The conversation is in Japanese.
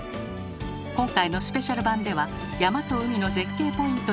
今回のスペシャル版では山と海の絶景ポイントで釣りに挑みます。